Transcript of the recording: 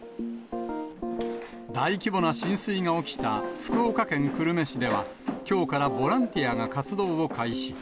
大規模な浸水が起きた福岡県久留米市では、きょうからボランティアが活動を開始。